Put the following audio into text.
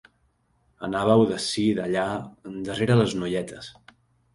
Anàveu d'ací d'allà darrere les noietes.